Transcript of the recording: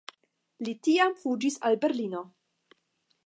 Li tiam fuĝis al Berlino.